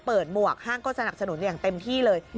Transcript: หมวกห้างก็สนับสนุนอย่างเต็มที่เลย